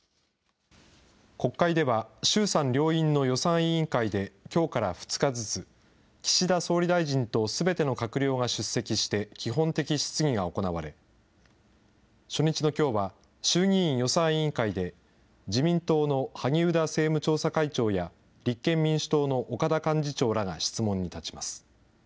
国会では衆参両院の予算委員会で、きょうから２日ずつ、岸田総理大臣とすべての閣僚が出席して基本的質疑が行われ、初日のきょうは、衆議院予算委員会で自民党の萩生田政務調査会長や、立憲民主党の岡田幹事長らが質問に立ちます。